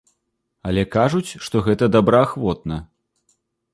Але кажуць, што гэта добраахвотна.